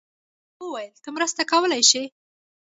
جوجو وویل ته مرسته کولی شې.